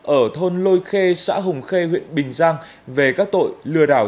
ở thôn lôi khê xã hùng khê huyện bình giang về các tội lừa đảo